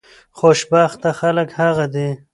خوشبخته خلک هغه دي